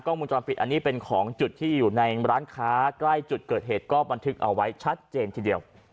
มูลจรปิดอันนี้เป็นของจุดที่อยู่ในร้านค้าใกล้จุดเกิดเหตุก็บันทึกเอาไว้ชัดเจนทีเดียว